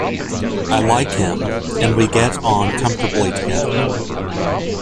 I like him, and we get on comfortably together.